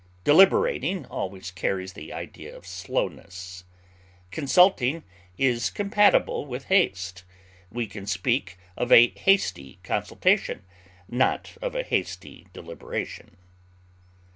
Deliberating always carries the idea of slowness; consulting is compatible with haste; we can speak of a hasty consultation, not of a hasty deliberation.